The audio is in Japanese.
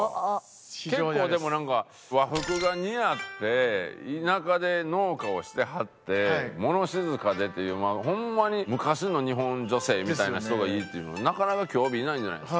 結構でもなんか和服が似合って田舎で農家をしてはって物静かでっていうホンマに昔の日本女性みたいな人がいいっていうのなかなか今日日いないんじゃないですか？